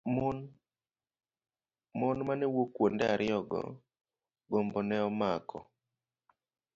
Mon mane wuok kuonde ariyogo, gombo ne omako.